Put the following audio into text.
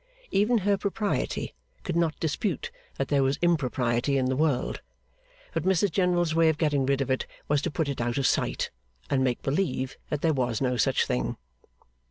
Even her propriety could not dispute that there was impropriety in the world; but Mrs General's way of getting rid of it was to put it out of sight, and make believe that there was no such thing.